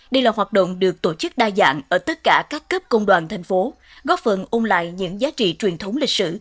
đây là hoạt động được tổ chức đa dạng ở tất cả các cấp công đoàn thành phố góp phần ôn lại những giá trị truyền thống lịch sử